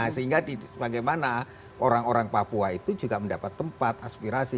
sehingga bagaimana orang orang papua itu juga mendapat tempat aspirasi